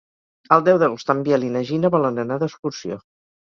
El deu d'agost en Biel i na Gina volen anar d'excursió.